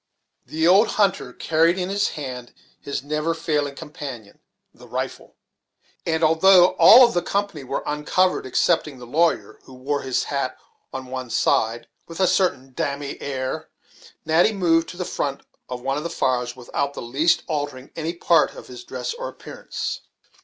The old hunter carried in his hand his never failing companion, the rifle; and although all of the company were uncovered excepting the lawyer, who wore his hat on one side, with a certain dam'me air, Natty moved to the front of one of the fires without in the least altering any part of his dress or appearance.